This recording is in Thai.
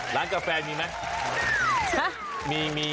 ร้านกาแฟมีมั้ย